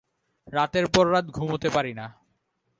রাতের পর রাত ঘুমুতে পারি না।